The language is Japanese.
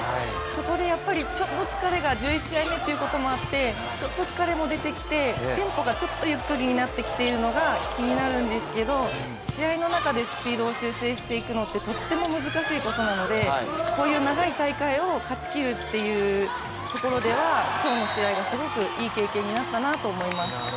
そこでやっぱり疲れが、１１試合目ということもあってちょっと疲れも出てきてテンポがちょっとゆっくりになってきているのが気になるんですけど、試合の中でスピードを修正していくのってとっても難しいことなのでこういう長い大会を勝ち切るというところでは今日の試合がすごくいい経験になったなと思います。